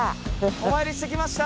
お参りしてきました。